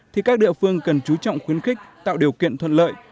thì các địa phương cần chú trọng khuyến khích tạo điều kiện thuận lợi